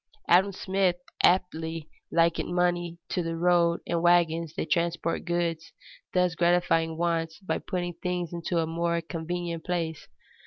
Adam Smith aptly likened money to the road and wagons that transport goods, thus gratifying wants by putting things into a more convenient place.